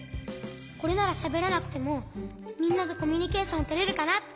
これならしゃべらなくてもみんなとコミュニケーションとれるかなって。